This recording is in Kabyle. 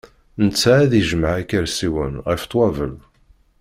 Netta ad ijmeɛ ikersiyen, ɣef ṭwabel.